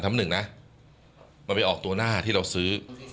มันไม่ออกตัวหน้าที่เราซื้อ